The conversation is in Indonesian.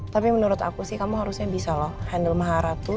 tapi menurut aku sih kamu harusnya bisa loh handle maharatu